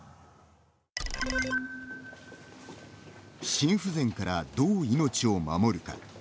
心不全から、どう命を守るか。